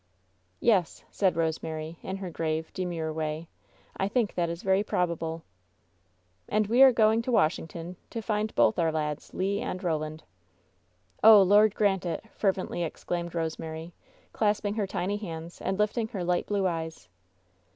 "Yes," said Rosemary, in her grave, demure way, I think that is very probable." "And we are going to Washingt<» to find both oar lads, Le and Boland." WHEN SHADOWS DIE 65 "Oh! Lord grant it!" fervently exclaimed Rosemary, clasping her tiny hands and lifting her light blue eyes.